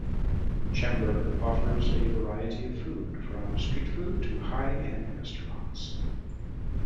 Chembur offers a variety of food from street food to high end restaurants.